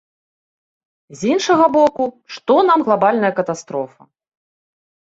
З іншага боку, што нам глабальная катастрофа?